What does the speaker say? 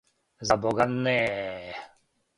За бога, не!